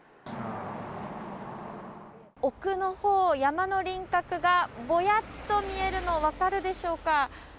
奥のほう、山の輪郭がぼやっと見えるの分かるでしょうか。